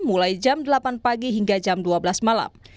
mulai jam delapan pagi hingga jam dua belas malam